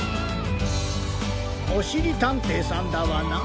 おしりたんていさんダワナ？